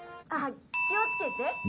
「気を付けて。